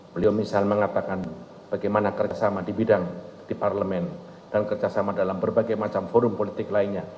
beliau misalnya mengatakan bagaimana kerjasama di bidang di parlemen dan kerjasama dalam berbagai macam forum politik lainnya